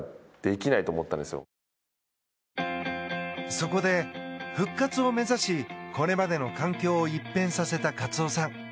そこで、復活を目指しこれまでの環境を一変させたカツオさん。